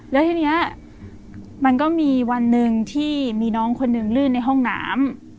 แล้วทีนี้มันก็มีวันหนึ่งที่มีน้องคนหนึ่งลื่นในห้องน้ำ